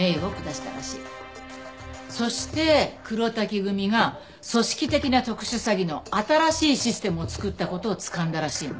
そして黒瀧組が組織的な特殊詐欺の新しいシステムを作った事をつかんだらしいの。